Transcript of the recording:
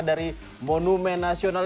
dari monumen nasional